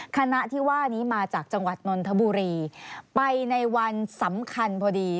คณะที่ว่านี้มาจากจังหวัดนนทบุรีไปในวันสำคัญพอดี